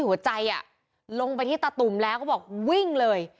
หัวใจลงไปที่ตะตุ่มแล้วก็บอกวิ่งเลย